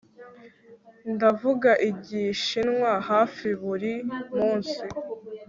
Ndavuga Igishinwa hafi buri munsi